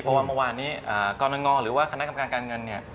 เพราะว่าเมื่อวานนี้กรณงหรือว่าคณะกรรมการการเงินเนี่ย